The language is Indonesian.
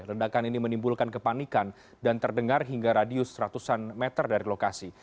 ledakan ini menimbulkan kepanikan dan terdengar hingga radius ratusan meter dari lokasi